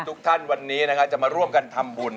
ทุกท่านวันนี้จะมาร่วมกันทำบุญ